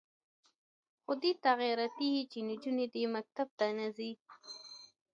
خو دې ته غیرتي یې چې نجونې دې مکتب ته نه ځي.